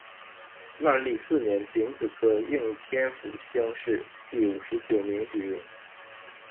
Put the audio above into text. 万历四年丙子科应天府乡试第五十九名举人。